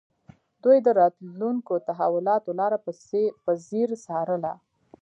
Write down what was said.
دوی د راتلونکو تحولاتو لاره په ځیر څارله